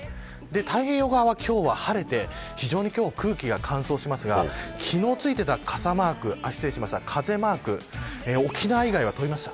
太平洋側は今日は晴れて非常に空気が乾燥していますが昨日ついてた風マークは沖縄以外取れました。